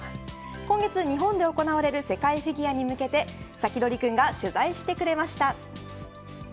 今月、日本で行われる世界フィギュアに向けてサキドリくんが取材してくれました。